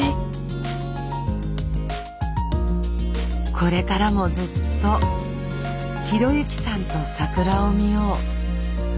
これからもずっと啓之さんと桜を見よう。